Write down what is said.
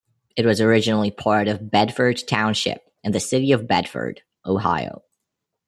It was originally part of Bedford Township and the City of Bedford, Ohio.